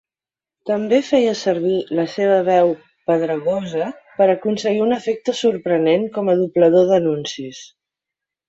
També feia servir la seva veu pedregosa per aconseguir un efecte sorprenent com a doblador d'anuncis.